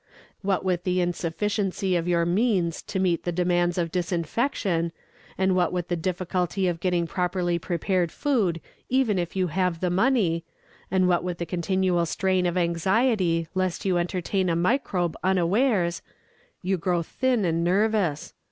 What with the insufficiency of your means to meet the demands of disinfection, and what with the difficulty of getting properly prepared food even if you have the money, and what with the continual strain of anxiety lest you entertain a microbe unawares, you grow thin and nervous.